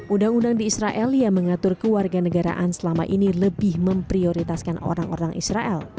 undang undang di israel yang mengatur kewarganegaraan selama ini lebih memprioritaskan orang orang israel